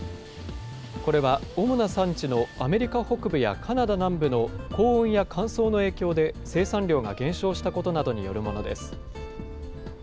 これは主な産地のアメリカ北部やカナダ南部の高温や乾燥の影響で生産量が減少したことなどによるものです。